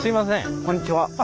こんにちは。